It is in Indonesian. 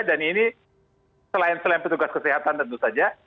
ini selain selain petugas kesehatan tentu saja